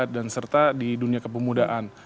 dan serta di dunia ke pemudaan